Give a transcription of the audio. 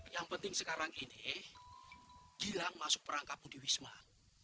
yang penting sekarang ini gilang masuk perangkapu di wisman